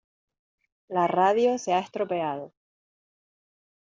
La radio se ha estropeado.